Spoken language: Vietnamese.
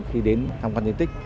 khi đến tham quan diện tích